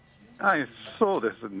そうですね。